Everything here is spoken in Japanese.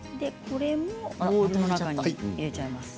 これもボウルの中に入れちゃいます。